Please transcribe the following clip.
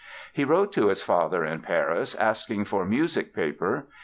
He wrote to his father, in Paris, asking for music paper.